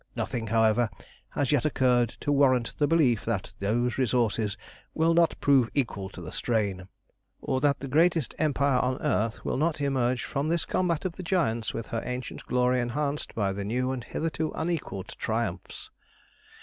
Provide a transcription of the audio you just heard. Nothing, however, has yet occurred to warrant the belief that those resources will not prove equal to the strain, or that the greatest empire on earth will not emerge from this combat of the giants with her ancient glory enhanced by new and hitherto unequalled triumphs.